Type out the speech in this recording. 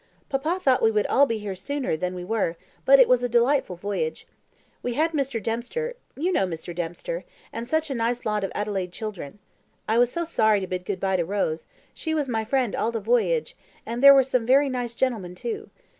Papa thought we would be all here sooner than we were but it was a delightful voyage. We had Mr. Dempster you know Mr. Dempster and such a lot of nice Adelaide children. I was so sorry to bid good bye to Rose; she was my friend all the voyage; and there were some very nice gentlemen, too.